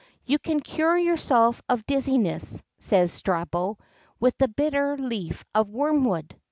"You can cure yourself of dizziness," says Strabo, "with the bitter leaf of wormwood."